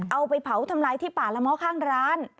เอาไปเผาทำลายที่ป่าละม้อข้างร้าน